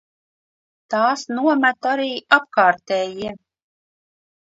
Tās nomet arī apkārtējie.